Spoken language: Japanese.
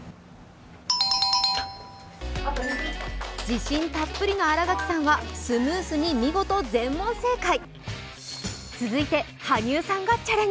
自信たっぷりの新垣さんはセムーズに見事、全問正解。